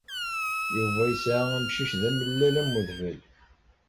Yuba yesɛa amcic d amellal am udfel.